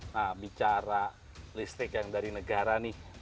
nah bicara listrik yang dari negara nih